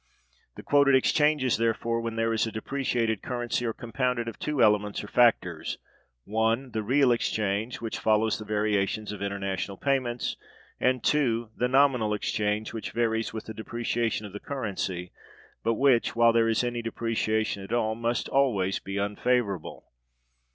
The quoted exchanges, therefore, when there is a depreciated currency, are compounded of two elements or factors: (1) the real exchange, which follows the variations of international payments, and (2) the nominal exchange, which varies with the depreciation of the currency, but which, while there is any depreciation at all, must always be unfavorable.